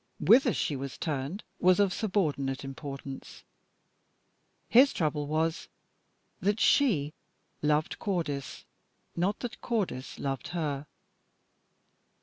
Whither she was turned was of subordinate importance. His trouble was that she loved Cordis, not that Cordis loved her.